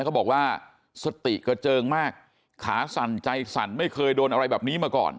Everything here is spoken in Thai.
เขาบอกว่าสติกระเจิงมากขาสั่นใจสั่นไม่เคยโดนอะไรแบบนี้มาก่อน